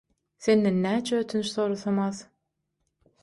Senden näçe ötünç sorasam az.